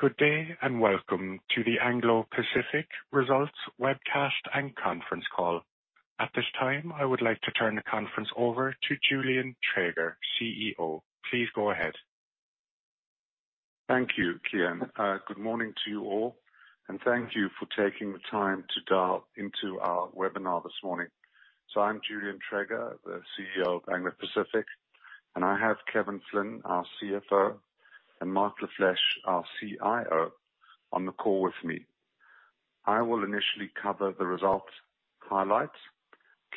Good day, welcome to the Anglo Pacific results webcast and conference call. At this time, I would like to turn the conference over to Julian Treger, CEO. Please go ahead. Thank you, Cian. Good morning to you all, and thank you for taking the time to dial into our webinar this morning. I'm Julian Treger, the CEO of Anglo Pacific, and I have Kevin Flynn, our CFO, and Marc Lafleche, our CIO, on the call with me. I will initially cover the results highlights.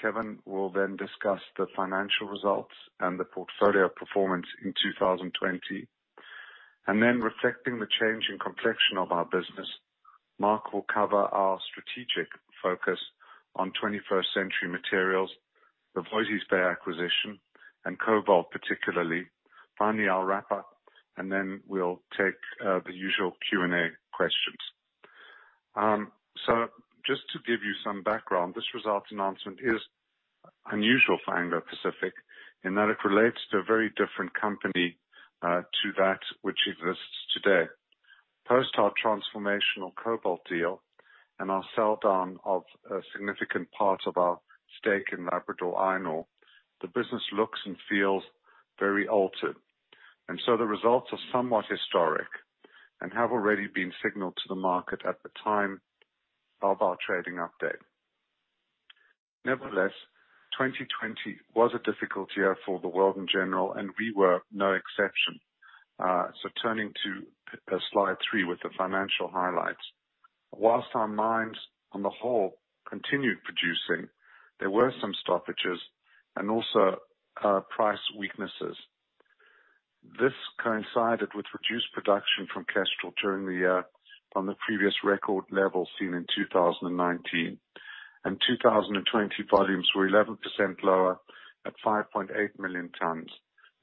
Kevin will then discuss the financial results and the portfolio performance in 2020. Reflecting the change in complexion of our business, Marc will cover our strategic focus on 21st Century Materials, the Voisey's Bay acquisition, and cobalt, particularly. Finally, I'll wrap up. We'll take the usual Q&A questions. Just to give you some background, this results announcement is unusual for Anglo Pacific in that it relates to a very different company to that which exists today. Post our transformational cobalt deal and our sell-down of a significant part of our stake in Labrador Iron Ore, the business looks and feels very altered. The results are somewhat historic and have already been signalled to the market at the time of our trading update. Nevertheless, 2020 was a difficult year for the world in general, and we were no exception. Turning to slide three with the financial highlights. While our mines on the whole continued producing, there were some stoppages and also price weaknesses. This coincided with reduced production from Kestrel during the year, on the previous record level seen in 2019, and 2020 volumes were 11% lower at 5.8 million tons,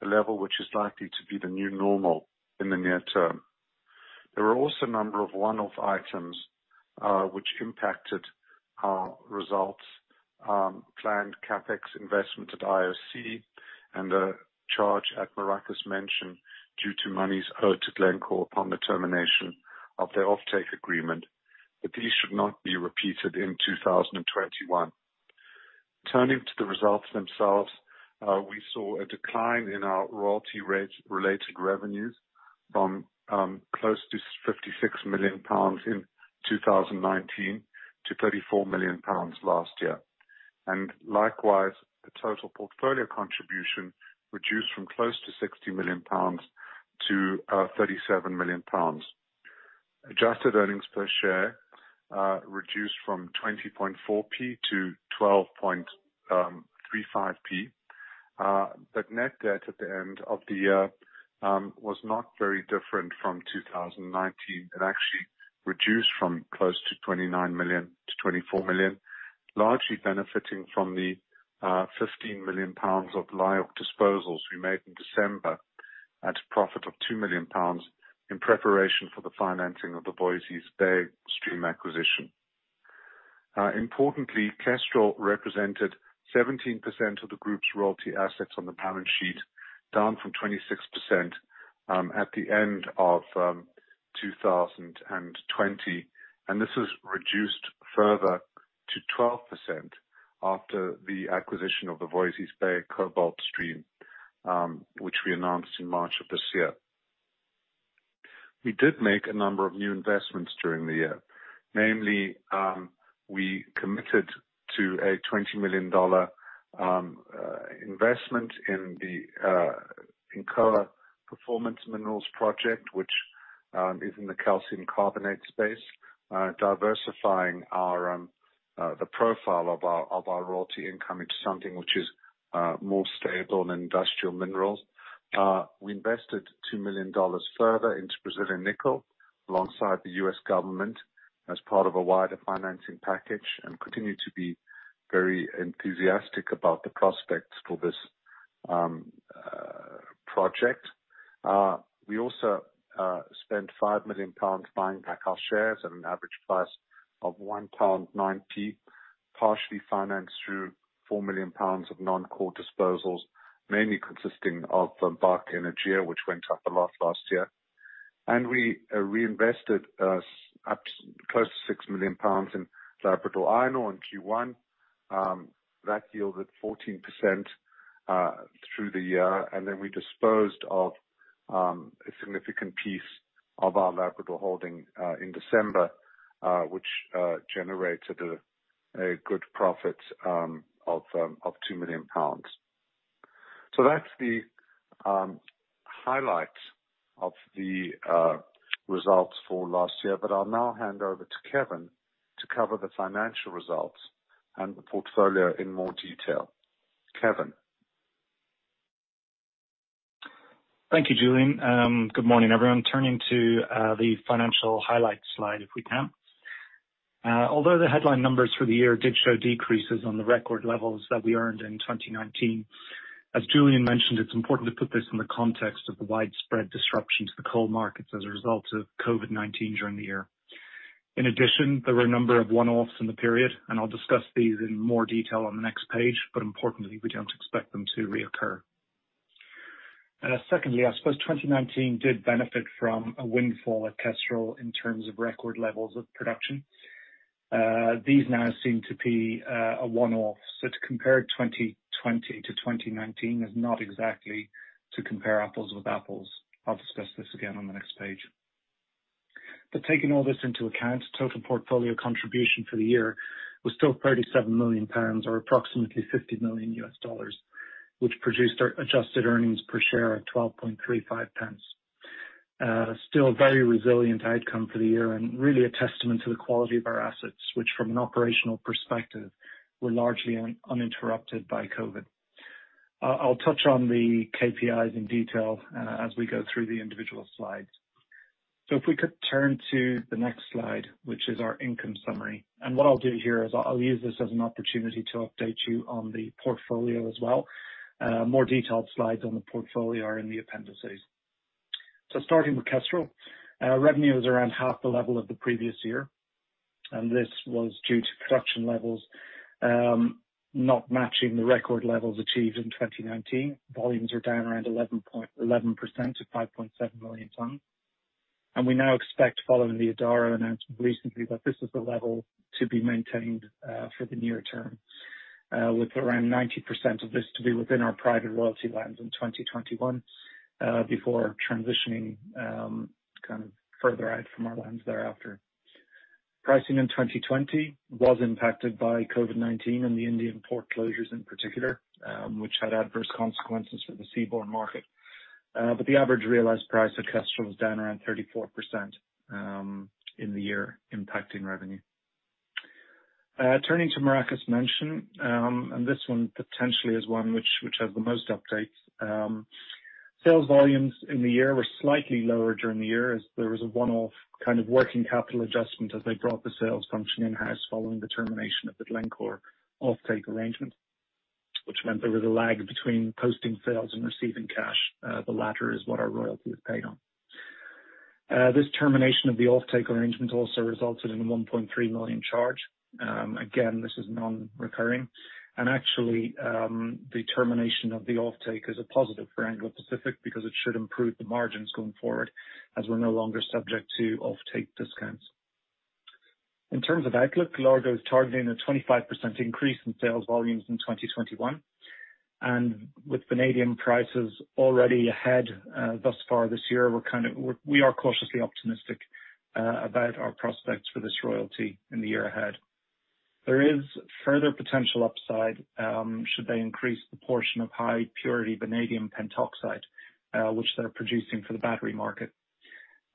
a level which is likely to be the new normal in the near term. There were also a number of one-off items, which impacted our results, planned CapEx investment at IOC, and a charge at Maracás Menchen due to monies owed to Glencore upon the termination of their offtake agreement. These should not be repeated in 2021. Turning to the results themselves, we saw a decline in our royalty rates related revenues from close to 56 million pounds in 2019 to 34 million pounds last year. Likewise, the total portfolio contribution reduced from close to 60 million pounds to 37 million pounds. Adjusted earnings per share reduced from 0.204 to 0.1235. Net debt at the end of the year was not very different from 2019. It actually reduced from close to 29 million to 24 million, largely benefiting from the 15 million pounds of LIORC disposals we made in December at a profit of 2 million pounds in preparation for the financing of the Voisey's Bay stream acquisition. Importantly, Kestrel represented 17% of the group's royalty assets on the balance sheet, down from 26% at the end of 2020. This was reduced further to 12% after the acquisition of the Voisey's Bay cobalt stream, which we announced in March of this year. We did make a number of new investments during the year. Namely, we committed to a $20 million investment in the Incoa Performance Minerals project, which is in the calcium carbonate space, diversifying the profile of our royalty income into something which is more stable in industrial minerals. We invested $2 million further into Brazilian nickel alongside the U.S. government as part of a wider financing package, and continue to be very enthusiastic about the prospects for this project. We also spent 5 million pounds buying back our shares at an average price of 0.019 pound, partially financed through 4 million pounds of non-core disposals, mainly consisting of Barca Energia, which went up a lot last year. We reinvested close to 6 million pounds in Labrador Iron Ore in Q1. That yielded 14% through the year. We disposed of a significant piece of our Labrador holding in December, which generated a good profit of 2 million pounds. That is the highlights of the results for last year. I will now hand over to Kevin to cover the financial results and the portfolio in more detail. Kevin. Thank you, Julian. Good morning, everyone. Turning to the financial highlights slide, if we can. Although the headline numbers for the year did show decreases on the record levels that we earned in 2019, as Julian mentioned, it is important to put this in the context of the widespread disruption to the coal markets as a result of COVID-19 during the year. In addition, there were a number of one-offs in the period, and I will discuss these in more detail on the next page. Importantly, we don't expect them to reoccur. Secondly, I suppose 2019 did benefit from a windfall at Kestrel in terms of record levels of production. These now seem to be a one-off. To compare 2020 to 2019 is not exactly to compare apples with apples. I will discuss this again on the next page. Taking all this into account, total portfolio contribution for the year was still 37 million pounds, or approximately $50 million, which produced our adjusted earnings per share of 0.1235. Still a very resilient outcome for the year, and really a testament to the quality of our assets, which, from an operational perspective, were largely uninterrupted by COVID. I'll touch on the KPIs in detail as we go through the individual slides. If we could turn to the next slide, which is our income summary. What I'll do here is I'll use this as an opportunity to update you on the portfolio as well. More detailed slides on the portfolio are in the appendices. Starting with Kestrel, revenue was around half the level of the previous year, and this was due to production levels not matching the record levels achieved in 2019. Volumes are down around 11% to 5.7 million tons. We now expect, following the Adaro announcement recently, that this is the level to be maintained for the near term, with around 90% of this to be within our private royalty lines in 2021, before transitioning further out from our lands thereafter. Pricing in 2020 was impacted by COVID-19 and the Indian port closures in particular, which had adverse consequences for the seaborne market. The average realized price at Kestrel was down around 34% in the year, impacting revenue. Turning to Maracás Menchen, this one potentially is one which has the most updates. Sales volumes in the year were slightly lower during the year as there was a one-off working capital adjustment as they brought the sales function in-house following the termination of the Glencore offtake arrangement, which meant there was a lag between posting sales and receiving cash. The latter is what our royalty was paid on. This termination of the offtake arrangement also resulted in a 1.3 million charge. Again, this is non-recurring. Actually, the termination of the offtake is a positive for Anglo Pacific because it should improve the margins going forward as we're no longer subject to offtake discounts. In terms of outlook, Largo is targeting a 25% increase in sales volumes in 2021. With vanadium prices already ahead thus far this year, we are cautiously optimistic about our prospects for this royalty in the year ahead. There is further potential upside should they increase the portion of high-purity vanadium pentoxide, which they're producing for the battery market.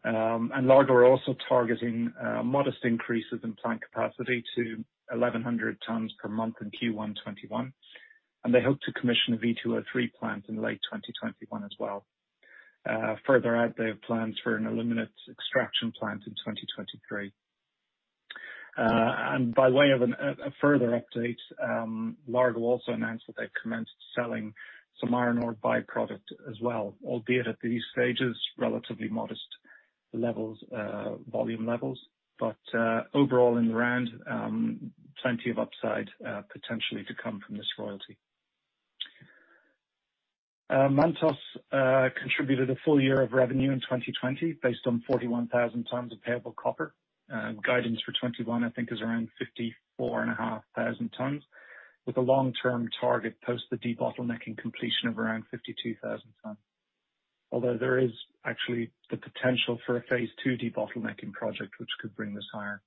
Largo are also targeting modest increases in plant capacity to 1,100 tons per month in Q1 2021, and they hope to commission a V2O3 plant in late 2021 as well. Further out, they have plans for an ilmenite extraction plant in 2023. By way of a further update, Largo also announced that they've commenced selling some iron ore by-product as well, albeit at these stages, relatively modest volume levels. Overall, in the round, plenty of upside potentially to come from this royalty. Mantos contributed a full year of revenue in 2020 based on 41,000 tons of payable copper. Guidance for 2021, I think, is around 54,500 tons, with a long-term target post the debottlenecking completion of around 52,000 tons. Although there is actually the potential for a phase two debottlenecking project, which could bring this higher.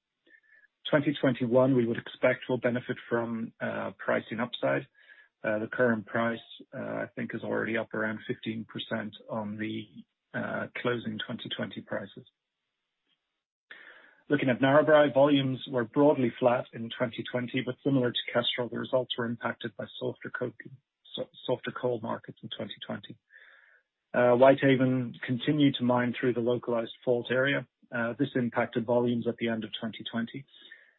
2021, we would expect will benefit from pricing upside. The current price, I think, is already up around 15% on the closing 2020 prices. Looking at Narrabri, volumes were broadly flat in 2020, but similar to Kestrel, the results were impacted by softer coal markets in 2020. Whitehaven continued to mine through the localized fault area. This impacted volumes at the end of 2020,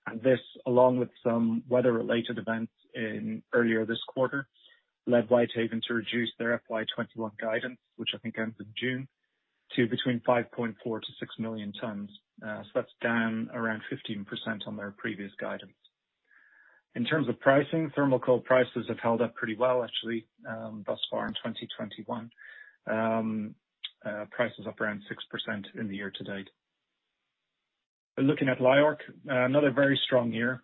and this, along with some weather-related events earlier this quarter, led Whitehaven to reduce their FY 2021 guidance, which I think ends in June, to between 5.4 million tons and 6 million tons. That's down around 15% on their previous guidance. In terms of pricing, thermal coal prices have held up pretty well actually, thus far in 2021. Price is up around 6% in the year-to-date. Looking at LIORC, another very strong year.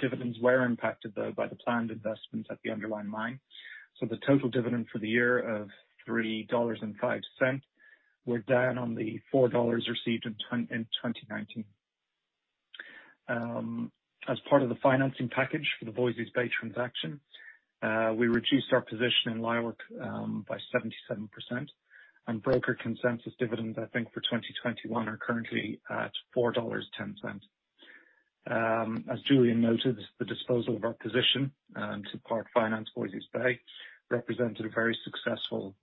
Dividends were impacted, though, by the planned investments at the underlying mine. The total dividend for the year of $3.05 were down on the $4 received in 2019. As part of the financing package for the Voisey's Bay transaction, we reduced our position in LIORC by 77%. Broker consensus dividends, I think, for 2021 are currently at $4.10. As Julian noted, the disposal of our position to part finance Voisey's Bay represented a very successful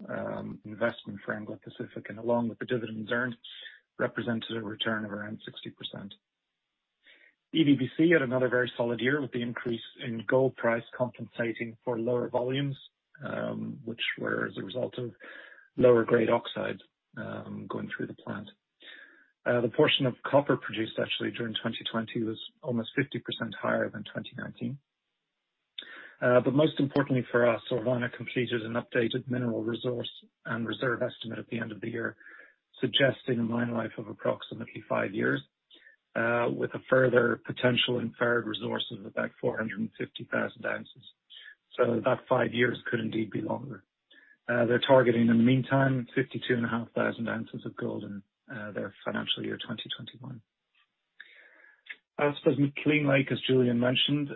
investment for Anglo Pacific, and along with the dividends earned, represented a return of around 60%. EVBC had another very solid year with the increase in gold price compensating for lower volumes, which were as a result of lower grade oxide going through the plant. The portion of copper produced actually during 2020 was almost 50% higher than in 2019. Most importantly for us, Orvana completed an updated mineral resource and reserve estimate at the end of the year, suggesting a mine life of approximately five years, with a further potential inferred resource of about 450,000 oz. That five years could indeed be longer. They're targeting in the meantime 52,500 oz of gold in their financial year 2021. As for McClean Lake, as Julian mentioned,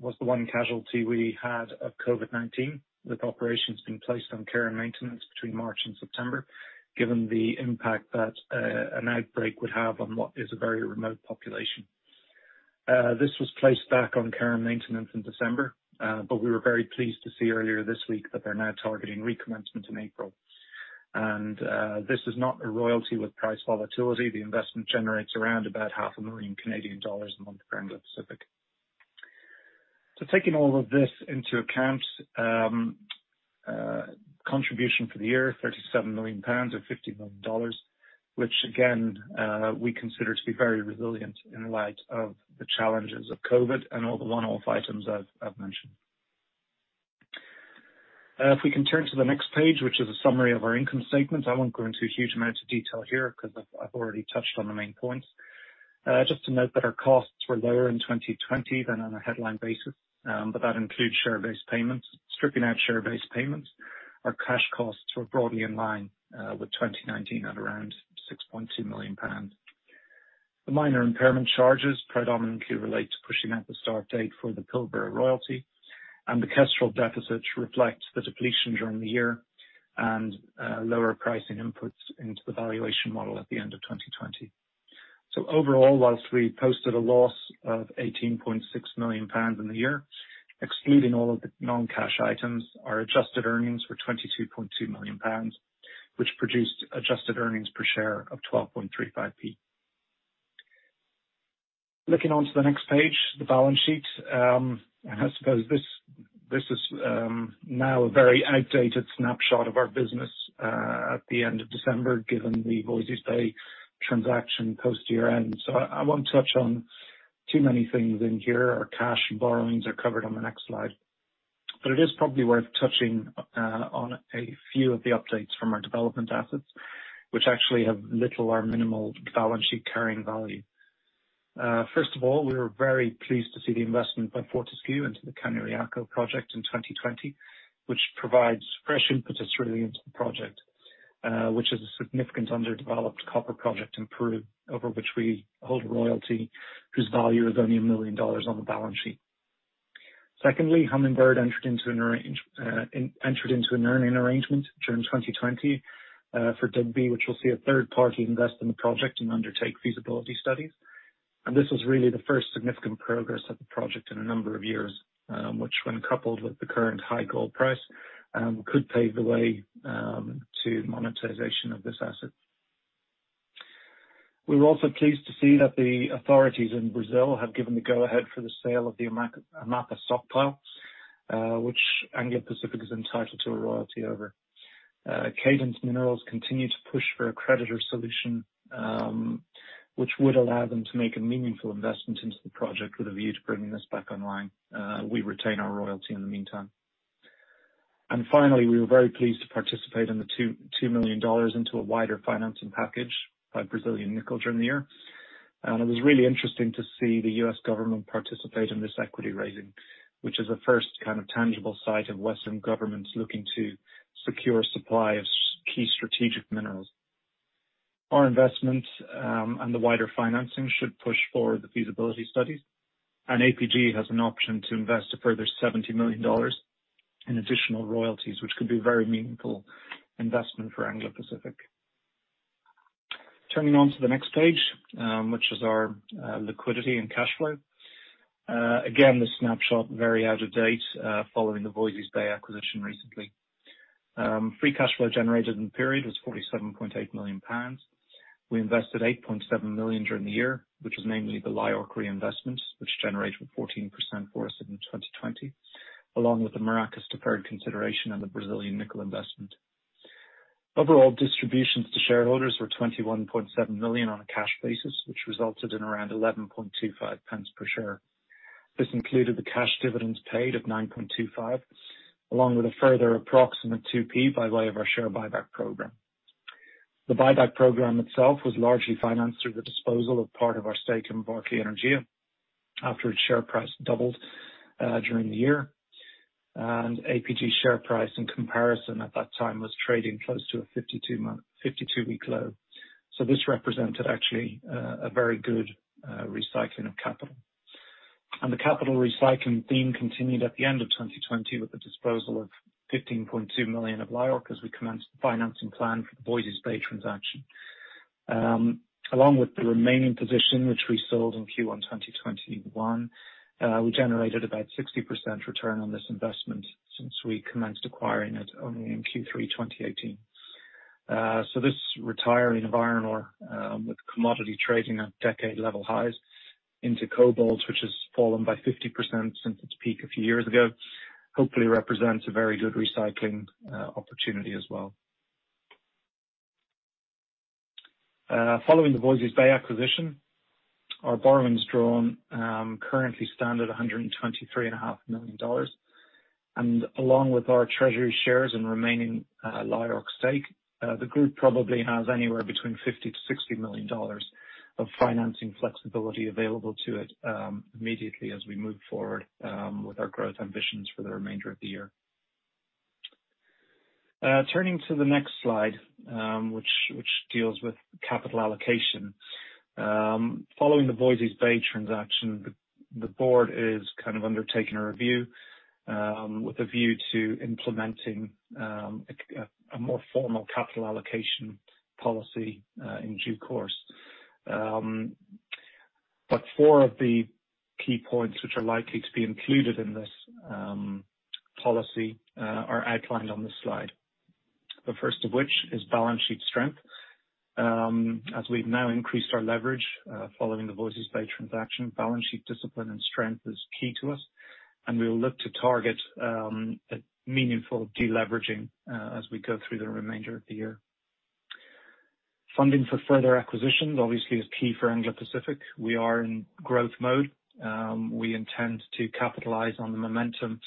was the one casualty we had of COVID-19, with operations being placed on care and maintenance between March and September, given the impact that an outbreak would have on what is a very remote population. This was placed back on care and maintenance in December, but we were very pleased to see earlier this week that they're now targeting recommencement in April. This is not a royalty with price volatility. The investment generates around about 500,000 Canadian dollars a month for Anglo Pacific. Taking all of this into account, contribution for the year, 37 million pounds or $50 million, which again, we consider to be very resilient in light of the challenges of COVID and all the one-off items I've mentioned. If we can turn to the next page, which is a summary of our income statement. I won't go into a huge amount of detail here because I've already touched on the main points. Just to note that our costs were lower in 2020 than on a headline basis, but that includes share-based payments. Stripping out share-based payments, our cash costs were broadly in line with 2019 at around 6.2 million pounds. The minor impairment charges predominantly relate to pushing out the start date for the Pilbara royalty, and the Kestrel deficits reflect the depletion during the year and lower pricing inputs into the valuation model at the end of 2020. Overall, whilst we posted a loss of 18.6 million pounds in the year, excluding all of the non-cash items, our adjusted earnings were 22.2 million pounds, which produced adjusted earnings per share of 0.1235. Looking onto the next page, the balance sheet. I suppose this is now a very outdated snapshot of our business at the end of December, given the Voisey's Bay transaction post-year-end. I won't touch on too many things in here. Our cash borrowings are covered on the next slide. It is probably worth touching on a few of the updates from our development assets, which actually have little or minimal balance sheet carrying value. First of all, we were very pleased to see the investment by Fortescue into the Cañariaco project in 2020, which provides fresh impetus really into the project, which is a significant underdeveloped copper project in Peru, over which we hold a royalty whose value is only GBP 1 million on the balance sheet. Secondly, Hummingbird entered into an earning arrangement during 2020 for Dugbe, which will see a third party invest in the project and undertake feasibility studies. This was really the first significant progress of the project in a number of years, which, when coupled with the current high gold price, could pave the way to monetization of this asset. We were also pleased to see that the authorities in Brazil have given the go-ahead for the sale of the Amapá stockpile, which Anglo Pacific is entitled to a royalty over. Cadence Minerals continues to push for a creditor solution, which would allow them to make a meaningful investment into the project with a view to bringing this back online. We retain our royalty in the meantime. Finally, we were very pleased to participate in the GBP 2 million into a wider financing package by Brazilian Nickel during the year. It was really interesting to see the U.S. government participate in this equity raising, which is the first kind of tangible sign of Western governments looking to secure a supply of key strategic minerals. Our investment and the wider financing should push forward the feasibility studies. APG has an option to invest a further GBP 70 million in additional royalties, which could be very meaningful investment for Anglo Pacific. Turning on to the next page, which is our liquidity and cash flow. Again, this snapshot is very out of date, following the Voisey's Bay acquisition recently. Free cash flow generated in the period was 47.8 million pounds. We invested 8.7 million during the year, which was mainly the LIORC reinvestment, which generated 14% for us in 2020, along with the Maracás deferred consideration and the Brazilian Nickel investment. Overall distributions to shareholders were 21.7 million on a cash basis, which resulted in around 0.1125 per share. This included the cash dividends paid of 0.0925, along with a further approximate 0.02 by way of our share buyback program. The buyback program itself was largely financed through the disposal of part of our stake in Barca Energia after its share price doubled during the year. APF's share price in comparison at that time was trading close to a 52-week low. This actually represented a very good recycling of capital. The capital recycling theme continued at the end of 2020 with the disposal of 15.2 million of LIORC as we commenced the financing plan for the Voisey's Bay transaction. Along with the remaining position, which we sold in Q1 2021, we generated about 60% return on this investment since we commenced acquiring it only in Q3 2018. This retiring environment with commodity trading at decade-level highs into cobalt, which has fallen by 50% since its peak a few years ago, hopefully represents a very good recycling opportunity as well. Following the Voisey's Bay acquisition, our borrowings drawn currently stand at GBP 123.5 million. Along with our treasury shares and remaining LIORC stake, the group probably has anywhere between 50 million and GBP 60 million of financing flexibility available to it immediately as we move forward with our growth ambitions for the remainder of the year. Turning to the next slide, which deals with capital allocation. Following the Voisey's Bay transaction, the board is undertaking a review with a view to implementing a more formal capital allocation policy in due course. Four of the key points which are likely to be included in this policy are outlined on this slide. The first of which is balance sheet strength. As we've now increased our leverage following the Voisey's Bay transaction, balance sheet discipline and strength is key to us, and we'll look to target a meaningful de-leveraging as we go through the remainder of the year. Funding for further acquisitions obviously is key for Anglo Pacific. We are in growth mode. We intend to capitalize on the momentum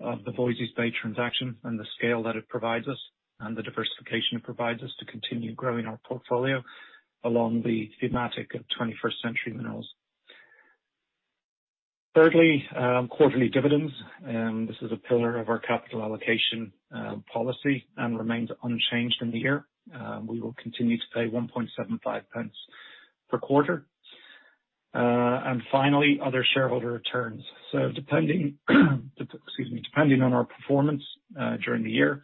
of the Voisey's Bay transaction and the scale that it provides us, and the diversification it provides us, to continue growing our portfolio along the thematic of 21st-century materials. Thirdly, quarterly dividends. This is a pillar of our capital allocation policy and remains unchanged in the year. We will continue to pay 0.0175 per quarter. Finally, other shareholder returns. Depending on our performance during the year,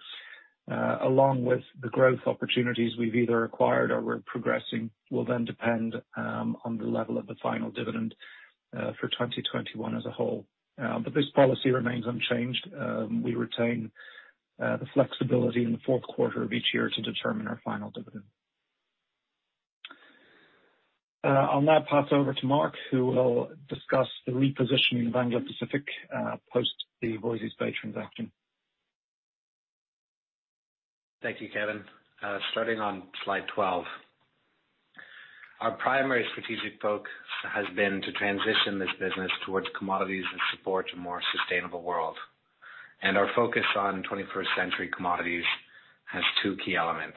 along with the growth opportunities we've either acquired or we're progressing, will then depend on the level of the final dividend for 2021 as a whole. This policy remains unchanged. We retain the flexibility in the fourth quarter of each year to determine our final dividend. I'll now pass over to Marc, who will discuss the repositioning of Anglo Pacific post the Voisey's Bay transaction. Thank you, Kevin. Starting on slide 12. Our primary strategic focus has been to transition this business towards commodities that support a more sustainable world. Our focus on 21st-century commodities has two key elements.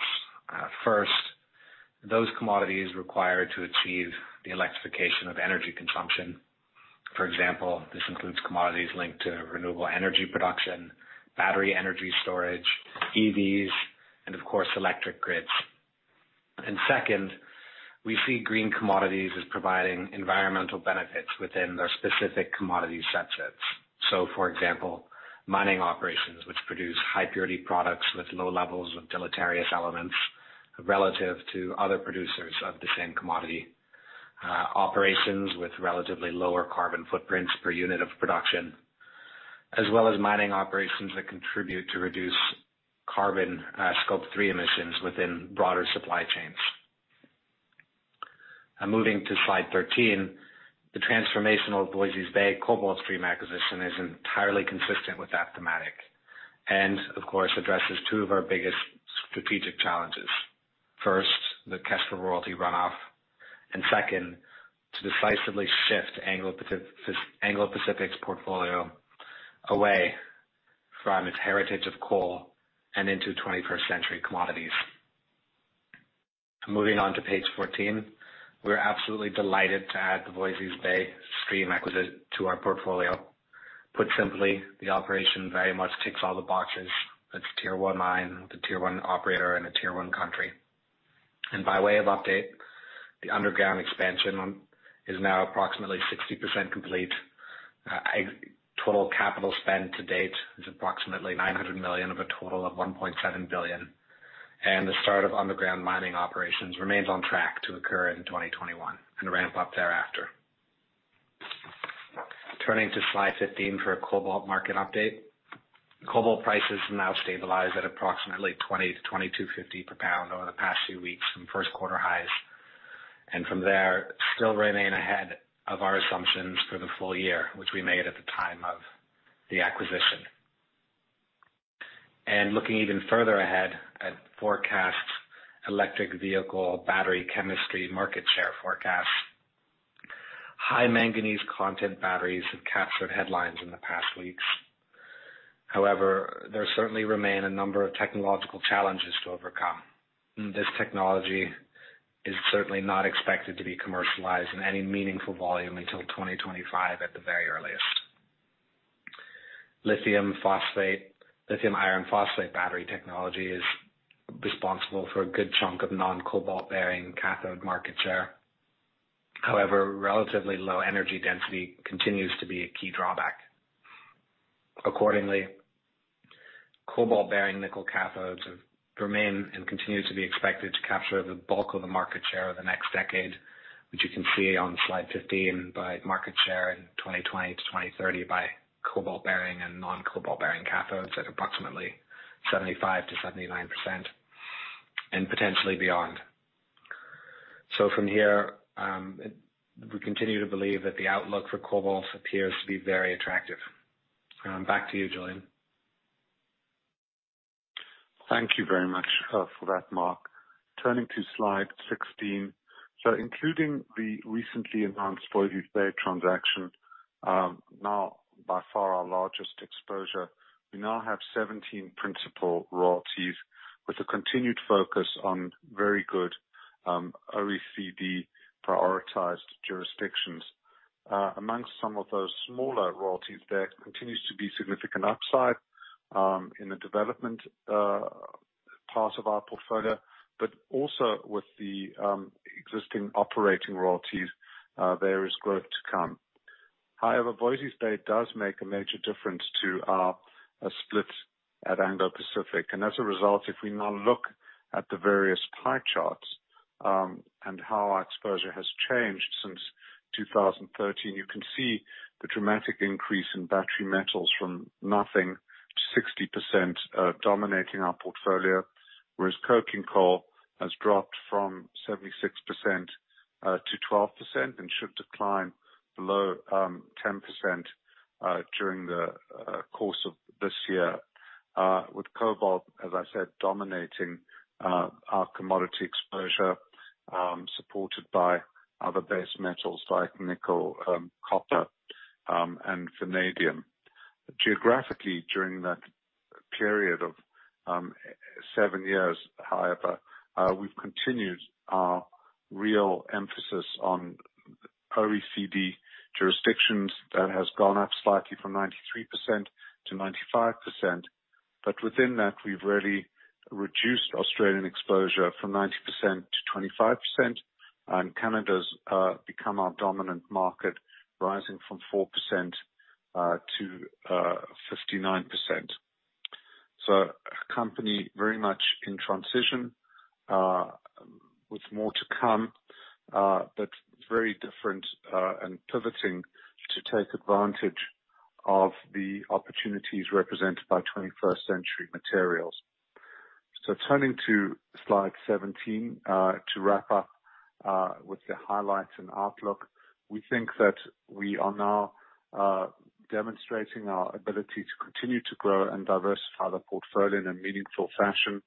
First, those commodities are required to achieve the electrification of energy consumption. For example, this includes commodities linked to renewable energy production, battery energy storage, EVs, and, of course, electric grids. Second, we see green commodities as providing environmental benefits within their specific commodity subsets. For example, mining operations which produce high-purity products with low levels of deleterious elements relative to other producers of the same commodity. Operations with relatively lower carbon footprints per unit of production, as well as mining operations that contribute to reduce carbon Scope 3 emissions within broader supply chains. Moving to slide 13. The transformational Voisey's Bay cobalt stream acquisition is entirely consistent with that thematic, of course, addresses two of our biggest strategic challenges. First, the Kestrel royalty runoff, second, to decisively shift Anglo Pacific's portfolio away from its heritage of coal and into 21st-century commodities. Moving on to page 14. We're absolutely delighted to add the Voisey's Bay stream acquisition to our portfolio. Put simply, the operation very much ticks all the boxes. It's a Tier 1 mine, with a Tier 1 operator in a Tier 1 country. By way of update, the underground expansion is now approximately 60% complete. Total capital spend to date is approximately 900 million of a total of 1.7 billion. The start of underground mining operations remains on track to occur in 2021 and ramp up thereafter. Turning to slide 15 for a cobalt market update. Cobalt prices have now stabilized at approximately $20-$22.50 per pound over the past few weeks from first-quarter highs, and from there, still remain ahead of our assumptions for the full year, which we made at the time of the acquisition. Looking even further ahead at forecasts, electric vehicles, battery chemistry, market share forecasts. High manganese content batteries have captured headlines in the past weeks. However, there certainly remain a number of technological challenges to overcome. This technology is certainly not expected to be commercialized in any meaningful volume until 2025 at the very earliest. Lithium iron phosphate battery technology is responsible for a good chunk of the non-cobalt-bearing cathode market share. However, relatively low energy density continues to be a key drawback. Accordingly, cobalt-bearing nickel cathodes remain and continue to be expected to capture the bulk of the market share over the next decade, which you can see on slide 15 by market share in 2020 to 2030 by cobalt-bearing and non-cobalt-bearing cathodes at approximately 75%-79% and potentially beyond. From here, we continue to believe that the outlook for cobalt appears to be very attractive. Back to you, Julian. Thank you very much for that, Marc. Turning to slide 16. Including the recently enhanced Voisey's Bay transaction, now by far our largest exposure, we now have 17 principal royalties with a continued focus on very good, OECD-prioritized jurisdictions. Amongst some of those smaller royalties, there continues to be significant upside in the development part of our portfolio. Also, with the existing operating royalties, there is growth to come. However, Voisey's Bay does make a major difference to our split at Anglo Pacific. As a result, if we now look at the various pie charts and how our exposure has changed since 2013, you can see the dramatic increase in battery metals from nothing to 60% dominating our portfolio. Whereas coking coal has dropped from 76% to 12% and should decline below 10% during the course of this year. With cobalt, as I said, dominating our commodity exposure, supported by other base metals like nickel, copper, and vanadium. Geographically, during that period of seven years, however, we've continued our real emphasis on OECD jurisdictions. That has gone up slightly from 93% to 95%. Within that, we've really reduced Australian exposure from 90% to 25%. Canada has become our dominant market, rising from 4% to 59%. A company very much in transition, with more to come, but very different, and pivoting to take advantage of the opportunities represented by 21st-century materials. Turning to slide 17, to wrap up with the highlights and outlook. We think that we are now demonstrating our ability to continue to grow and diversify the portfolio in a meaningful fashion.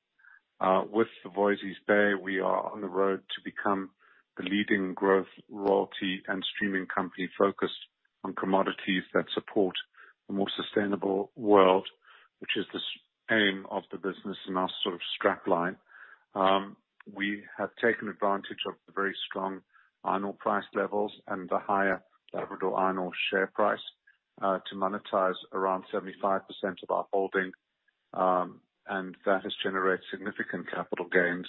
With the Voisey's Bay, we are on the road to become the leading growth royalty and streaming company focused on commodities that support a more sustainable world, which is the aim of the business and our sort of strapline. We have taken advantage of the very strong iron ore price levels and the higher average iron ore share price to monetize around 75% of our holding. That has generated significant capital gains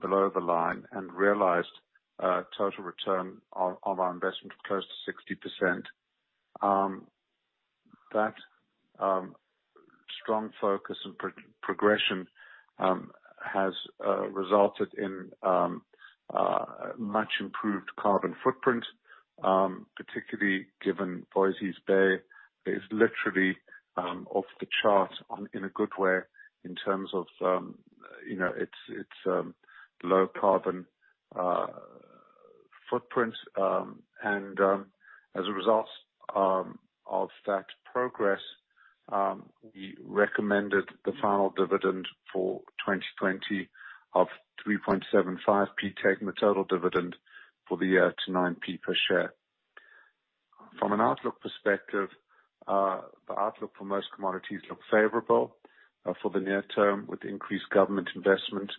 below the line and realized total return on our investment of close to 60%. That strong focus and progression has resulted in a much-improved carbon footprint, particularly given that Voisey's Bay is literally off the charts in a good way in terms of its low carbon footprint. As a result of that progress, we recommended the final dividend for 2020 of 0.0375, taking the total dividend for the year to 0.09 per share. From an outlook perspective, the outlook for most commodities looks favorable for the near term with increased government investment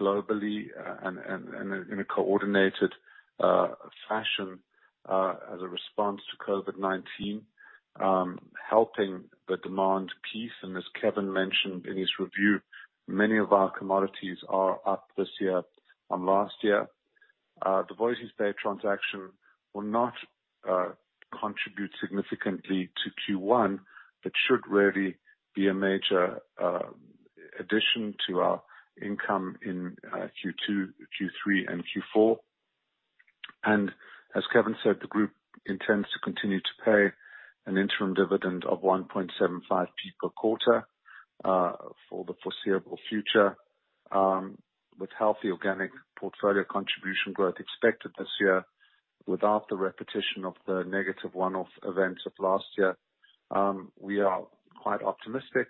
globally and in a coordinated fashion as a response to COVID-19, helping the demand piece. As Kevin mentioned in his review, many of our commodities are up this year on last year. The Voisey's Bay transaction will not contribute significantly to Q1, but should really be a major addition to our income in Q2, Q3, and Q4. As Kevin said, the group intends to continue to pay an interim dividend of 1.75p per quarter for the foreseeable future, with healthy organic portfolio contribution growth expected this year without the repetition of the negative one-off events of last year. We are quite optimistic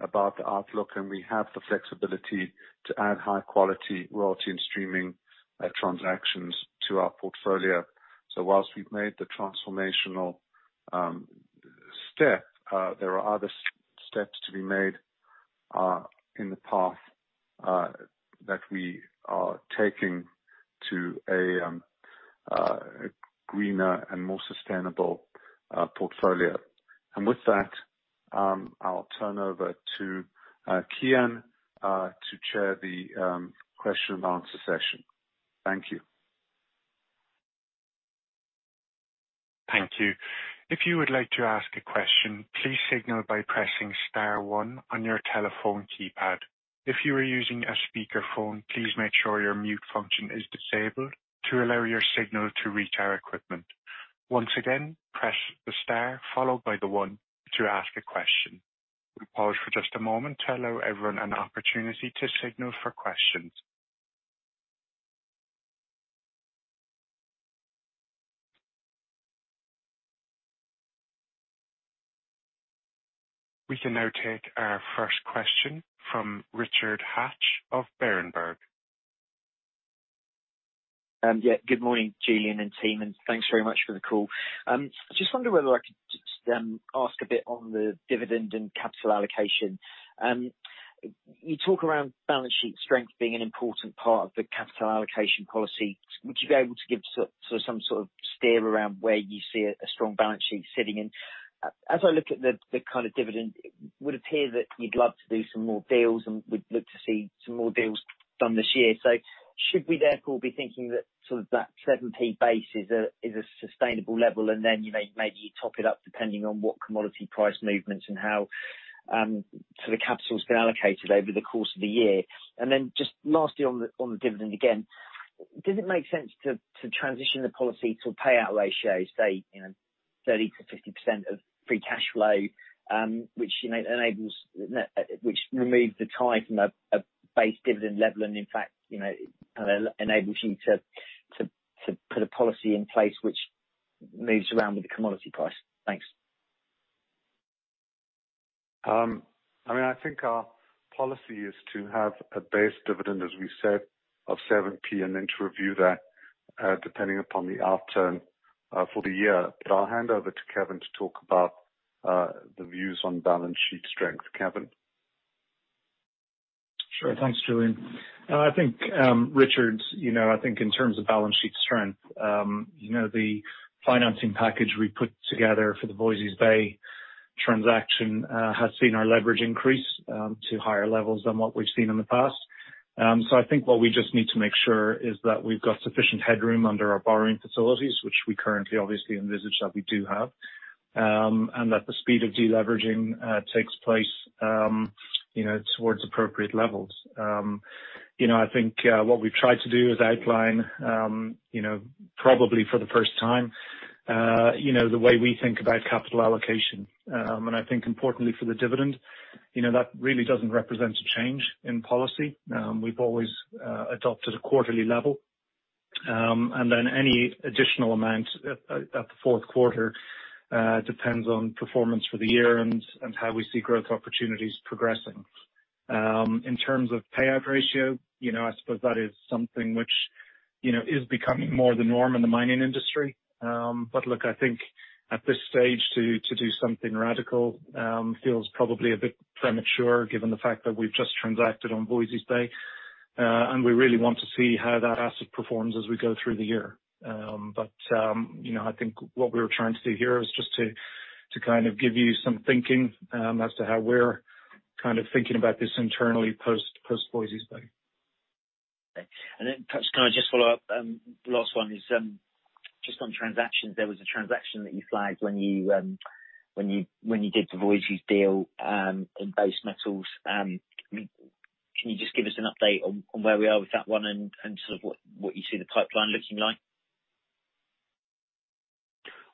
about the outlook, and we have the flexibility to add high-quality royalty and streaming transactions to our portfolio. While we've made the transformational step, there are other steps to be made in the path that we are taking to a greener and more sustainable portfolio. With that, I'll turn over to Cian to chair the question-and-answer session. Thank you. Thank you. If you would like to ask a question, please signal by pressing star one on your telephone keypad. If you are using a speakerphone, please make sure your mute function is disabled to allow your signal to reach our equipment. Once again, press the star followed by the one to ask a question. We pause for just a moment to allow everyone an opportunity to signal for questions. We can now take our first question from Richard Hatch of Berenberg. Yeah. Good morning, Julian and team, and thanks very much for the call. I just wonder whether I could just ask a bit on the dividend and capital allocation. You talk around balance sheet strength being an important part of the capital allocation policy. Would you be able to give some sort of steer around where you see a strong balance sheet sitting in? As I look at the kind of dividend, it would appear that you'd love to do some more deals and would look to see some more deals done this year. Should we therefore be thinking that that 0.07 base is a sustainable level, and then maybe you top it up depending on what commodity price movements and how the capital's been allocated over the course of the year? Just lastly, on the dividend again, does it make sense to transition the policy to payout ratios, say, 30%-50% of free cash flow, which removes the tie from a base dividend level and, in fact, enables you to put a policy in place which moves around with the commodity price? Thanks. I think our policy is to have a base dividend, as we said, of 0.07 and then to review that depending upon the outturn for the year. I'll hand over to Kevin to talk about the views on balance sheet strength. Kevin? Sure. Thanks, Julian. I think, Richard, in terms of balance sheet strength, the financing package we put together for the Voisey's Bay transaction has seen our leverage increase to higher levels than what we've seen in the past. I think what we just need to make sure is that we've got sufficient headroom under our borrowing facilities, which we currently obviously envisage that we do have, and that the speed of deleveraging takes place towards appropriate levels. I think what we've tried to do is outline, probably for the first time, the way we think about capital allocation. I think, importantly for the dividend, that really doesn't represent a change in policy. We've always adopted a quarterly level, and then any additional amount at the fourth quarter depends on performance for the year and how we see growth opportunities progressing. In terms of payout ratio, I suppose that is something which is becoming more the norm in the mining industry. Look, I think at this stage, to do something radical probably feels a bit premature given the fact that we've just transacted on Voisey's Bay, and we really want to see how that asset performs as we go through the year. I think what we were trying to do here is just to kind of give you some thinking as to how we're kind of thinking about this internally, post Voisey's Bay. Okay. Perhaps I can just follow up? Last one is just on transactions. There was a transaction that you flagged when you did the Voisey's Bay deal in base metals. Can you just give us an update on where we are with that one and sort of what you see the pipeline looking like?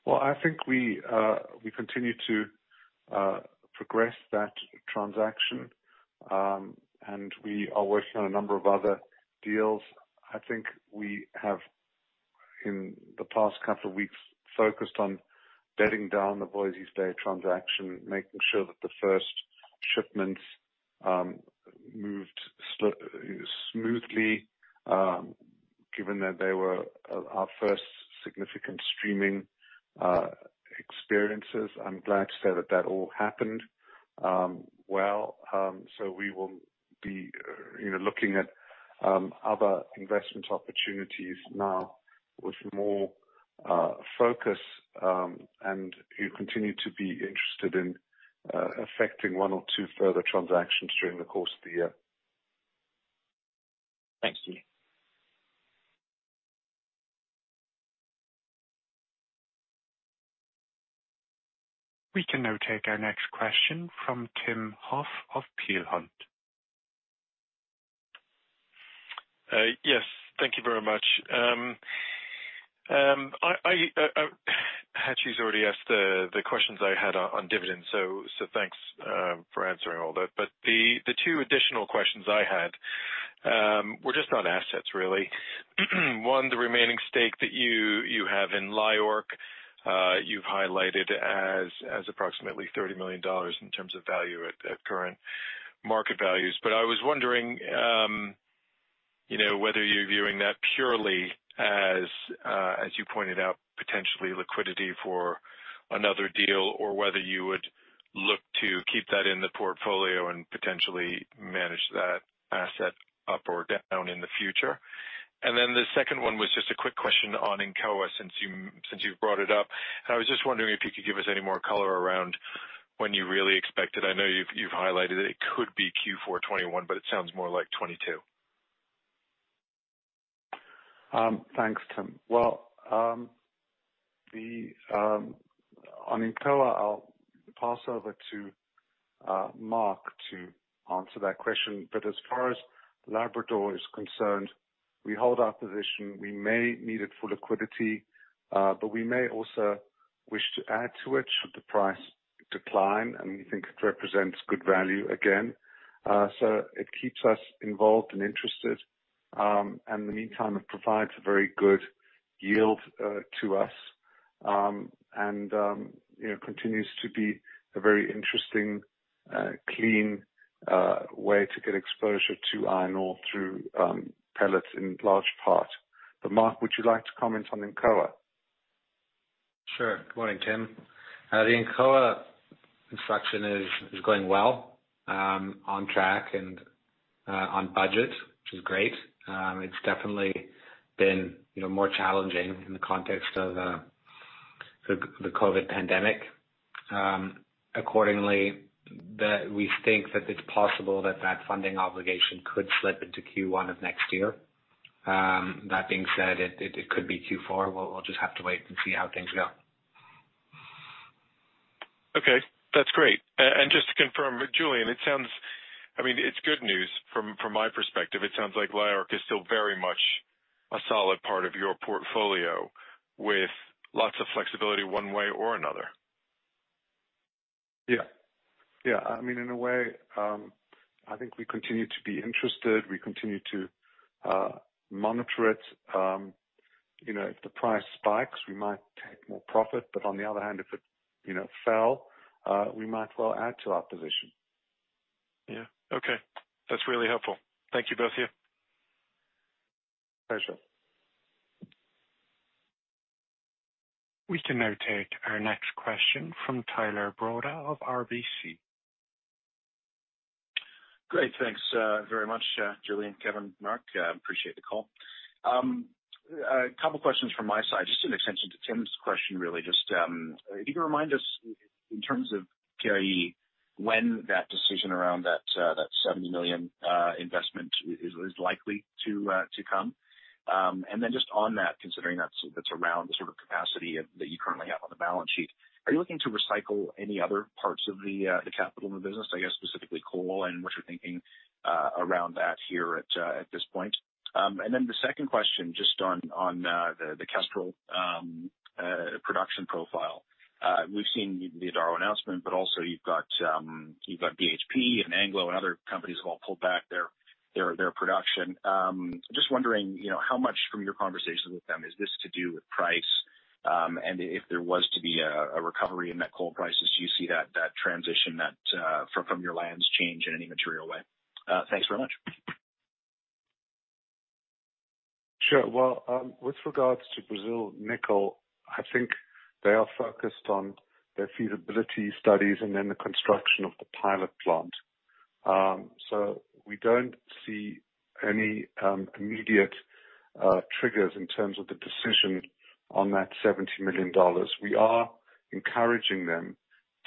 I think we continue to progress that transaction, and we are working on a number of other deals. I think we have, in the past couple of weeks, focused on bedding down the Voisey's Bay transaction, making sure that the first shipments moved smoothly, given that they were our first significant streaming experiences. I am glad to say that all happened well, so we will be looking at other investment opportunities now with more focus, and we continue to be interested in effecting one or two further transactions during the course of the year. Thanks, Julian. We can now take our next question from Tim Huff of Peel Hunt. Yes. Thank you very much. Hatch has already asked the questions I had on dividends. Thanks for answering all that. The two additional questions I had were just on assets, really. One, the remaining stake that you have in LIORC, you've highlighted as approximately GBP 30 million in terms of value at current market values. I was wondering whether you're viewing that purely as you pointed out, potentially liquidity for another deal, or whether you would look to keep that in the portfolio and potentially manage that asset up or down in the future. The second one was just a quick question on Incoa since you've brought it up. I was just wondering if you could give us any more color around when you really expected. I know you've highlighted it could be Q4 2021, but it sounds more like 2022. Thanks, Tim. Well, on Incoa, I'll pass over to Marc to answer that question. As far as Labrador is concerned, we hold our position. We may need it for liquidity, but we may also wish to add to it should the price decline and we think it represents good value again. It keeps us involved and interested. In the meantime, it provides a very good yield to us, and continues to be a very interesting, clean way to get exposure to iron ore through pellets in large part. Marc, would you like to comment on Incoa? Sure. Good morning, Tim. The Incoa construction is going well, on track, and on budget, which is great. It's definitely been more challenging in the context of the COVID pandemic. Accordingly, we think that it's possible that the funding obligation could slip into Q1 of next year. That being said, it could be Q4. We'll just have to wait and see how things go. Okay, that's great. Just to confirm, Julian, it's good news from my perspective. It sounds like LIORC is still very much a solid part of your portfolio with lots of flexibility one way or another. Yeah. In a way, I think we continue to be interested; we continue to monitor it. If the price spikes, we might make more profit. On the other hand, if it fell, we might well add to our position. Yeah. Okay, that's really helpful. Thank you, both of you. Pleasure. We can now take our next question from Tyler Broda of RBC. Great. Thanks very much, Julian, Kevin, and Marc. I appreciate the call. A couple of questions from my side, just an extension to Tim's question, really. If you can remind us in terms of [KIE] when that decision around that 70 million investment is likely to come. Then on that, considering that's around the sort of capacity that you currently have on the balance sheet, are you looking to recycle any other parts of the capital in the business? I guess specifically coal, what you're thinking around that here at this point. Then the second question on the Kestrel production profile. We've seen the Adaro announcement, also you've got BHP and Anglo, and other companies who have all pulled back their production. Just wondering, how much from your conversations with them is this to do with price? If there was to be a recovery in that coal price, as you see that transition from your lands change in any material way? Thanks very much. Well, with regards to Brazilian Nickel, I think they are focused on their feasibility studies and then the construction of the pilot plant. We don't see any immediate triggers in terms of the decision on that GBP 70 million. We are encouraging them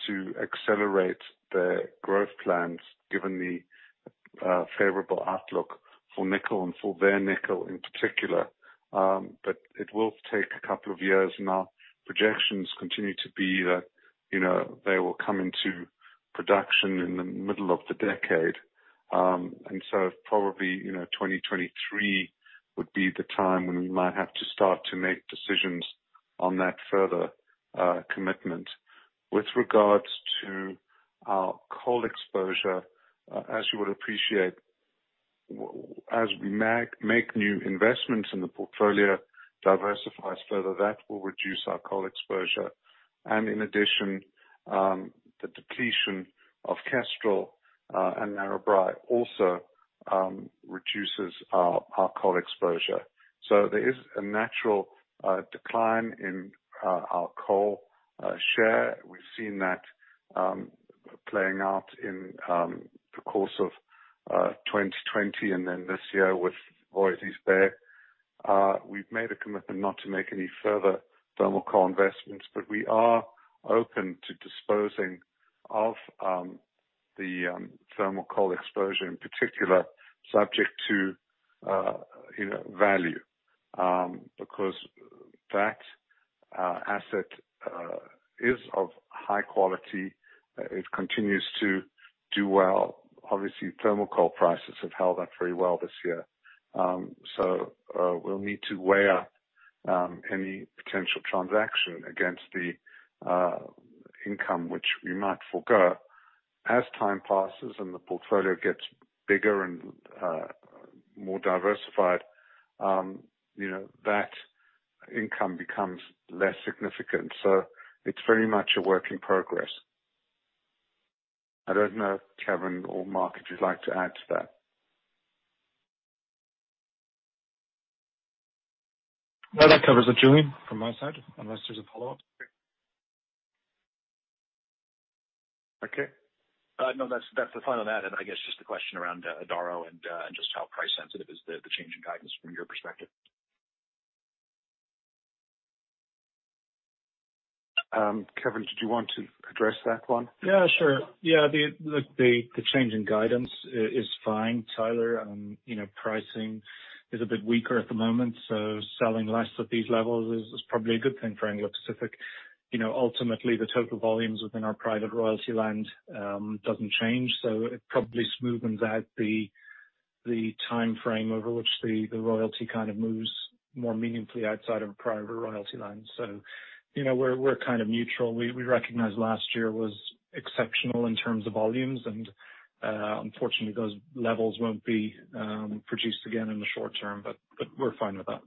to accelerate their growth plans, given the favorable outlook for nickel and for their nickel in particular. It will take a couple of years, and our projections continue to be that they will come into production in the middle of the decade. Probably 2023 would be the time when we might have to start to make decisions on that further commitment. With regards to our coal exposure, as you would appreciate, as we make new investments in the portfolio, diversify further, that will reduce our coal exposure. In addition, the depletion of Kestrel and Narrabri also reduces our coal exposure. There is a natural decline in our coal share. We've seen that playing out in the course of 2020 and then this year with Voisey's Bay. We've made a commitment not to make any further thermal coal investments, but we are open to disposing of the thermal coal exposure in particular, subject to value. Because that asset is of high quality, it continues to do well. Obviously, thermal coal prices have held up very well this year. We'll need to weigh up any potential transaction against the income, which we might forgo. As time passes and the portfolio gets bigger and more diversified, that income becomes less significant. It's very much a work in progress. I don't know, Kevin or Marc, if you'd like to add to that. No, that covers it, Julian, from my side, unless there's a follow-up. Okay. No, that's the final, that and I guess just the question around Adaro and just how price sensitive is the change in guidance from your perspective? Kevin, did you want to address that one? Look, the change in guidance is fine, Tyler. Pricing is a bit weaker at the moment; selling less at these levels is probably a good thing for Anglo Pacific. Ultimately, the total volumes within our private royalty land doesn't change; it probably smoothens out the timeframe over which the royalty kind of moves more meaningfully outside of private royalty land. We're kind of neutral. We recognize last year was exceptional in terms of volumes; unfortunately, those levels won't be produced again in the short term. We're fine with that.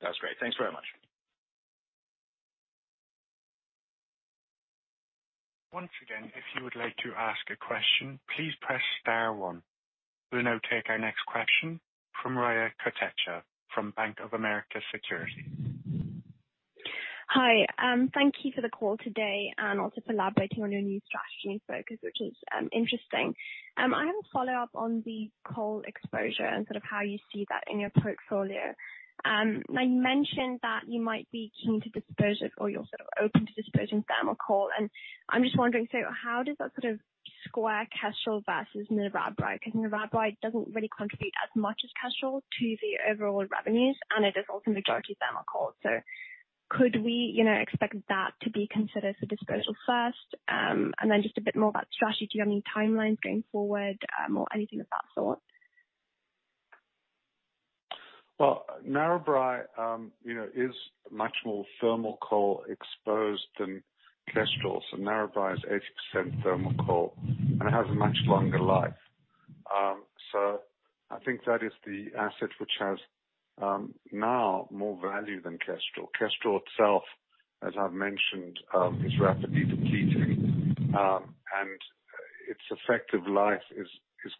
That's great. Thanks very much. Once again, if you would like to ask a question, please press star one. We'll now take our next question from Riya Kotecha from Bank of America Securities. Hi. Thank you for the call today and also for elaborating on your new strategy focus, which is interesting. I have a follow-up on the coal exposure and how you see that in your portfolio. You mentioned that you might be keen to dispose of, or you're open to disposing of thermal coal, and I'm just wondering, how does that square Kestrel versus Narrabri? Narrabri doesn't really contribute as much as Kestrel to the overall revenues, and it is also majority thermal coal. Could we expect that to be considered for disposal first? Then just a bit more about strategy. Do you have any timelines going forward or anything of that sort? Well, Narrabri is much more thermal coal exposed than Kestrel. Narrabri is 80% thermal coal, and it has a much longer life. I think that is the asset which has now more value than Kestrel. Kestrel itself, as I've mentioned, is rapidly depleting, and its effective life is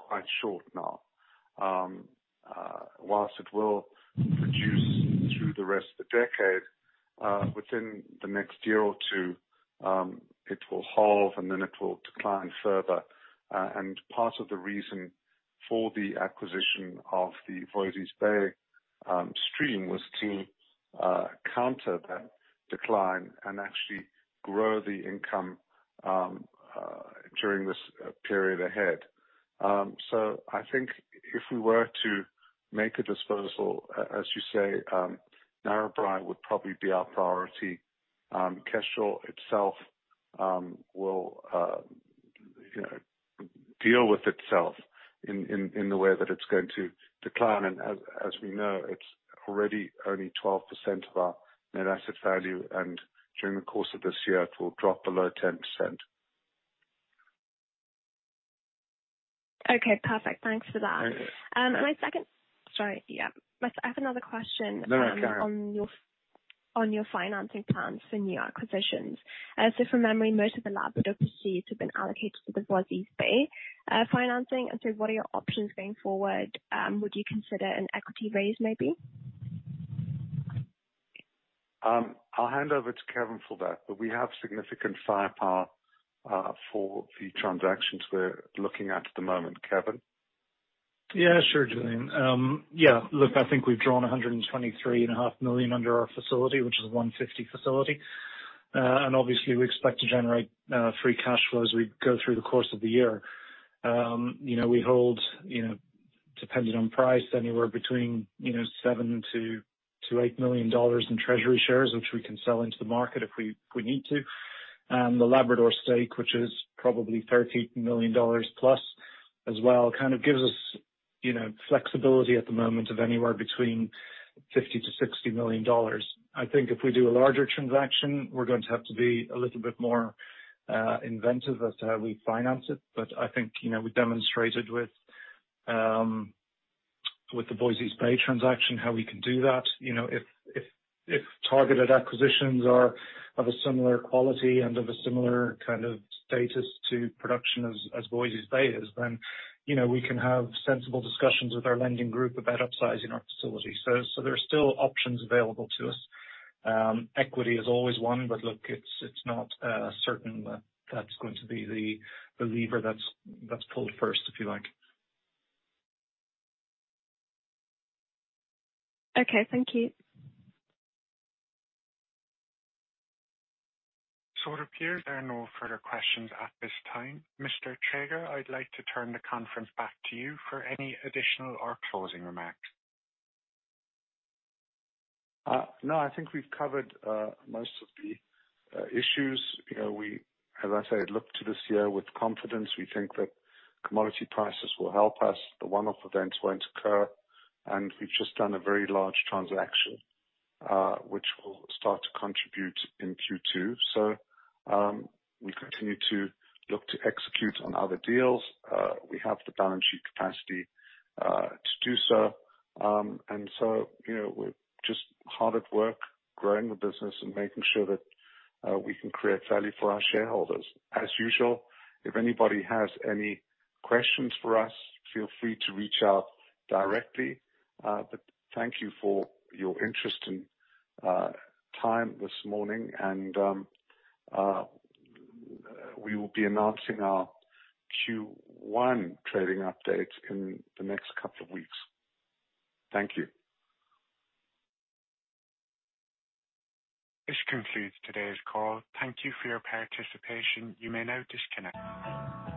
quite short now. Whilst it will produce through the rest of the decade, within the next year or two, it will halve, and then it will decline further. Part of the reason for the acquisition of the Voisey's Bay stream was to counter that decline and actually grow the income during this period ahead. I think if we were to make a disposal, as you say, Narrabri would probably be our priority. Kestrel itself will deal with itself in the way that it's going to decline. As we know, it's already only 12% of our net asset value, and during the course of this year, it will drop below 10%. Okay, perfect. Thanks for that. Okay. Sorry. Yeah. I have another question. No, go on. On your financing plans for new acquisitions. From memory, most of the Labrador proceeds have been allocated to the Voisey's Bay financing. What are your options going forward? Would you consider an equity raise, maybe? I'll hand over to Kevin for that. We have significant firepower for the transactions we're looking at at the moment. Kevin? Sure, Julian. Look, I think we've drawn 123.5 million under our facility, which is a 150 facility. Obviously, we expect to generate free cash flow as we go through the course of the year. We hold, depending on price, anywhere between GBP 7 million-GBP 8 million in treasury shares, which we can sell into the market if we need to. The Labrador stake, which is probably GBP 30 million+ as well, kind of gives us flexibility at the moment of anywhere between GBP 50 million-GBP 60 million. I think if we do a larger transaction, we're going to have to be a little bit more inventive as to how we finance it. I think we demonstrated with the Voisey's Bay transaction how we can do that. If targeted acquisitions are of a similar quality and of a similar kind of status to production as Voisey's Bay is, then we can have sensible discussions with our lending group about upsizing our facility. There are still options available to us. Equity is always one, but look, it's not certain that that's going to be the lever that's pulled first, if you like. Okay. Thank you. It appears there are no further questions at this time. Mr. Treger, I'd like to turn the conference back to you for any additional or closing remarks. No, I think we've covered most of the issues. As I said, look to this year with confidence. We think that commodity prices will help us. The one-off events won't occur, and we've just done a very large transaction, which will start to contribute in Q2. We continue to look to execute on other deals. We have the balance sheet capacity to do so. We're just hard at work growing the business and making sure that we can create value for our shareholders. As usual, if anybody has any questions for us, feel free to reach out directly. Thank you for your interest and time this morning, and we will be announcing our Q1 trading update in the next couple of weeks. Thank you. This concludes today's call. Thank you for your participation. You may now disconnect.